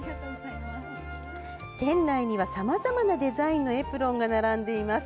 店内には、さまざまなデザインのエプロンが並んでいます。